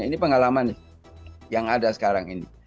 ini pengalaman yang ada sekarang ini